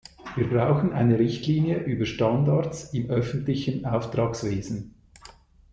Wir brauchen eine Richtlinie über Standards im öffentlichen Auftragswesen.